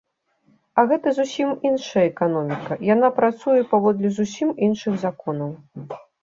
А гэта зусім іншая эканоміка, яна працуе паводле зусім іншых законаў!